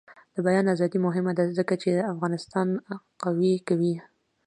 د بیان ازادي مهمه ده ځکه چې افغانستان قوي کوي.